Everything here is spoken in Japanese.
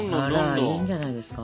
あらいいんじゃないですか？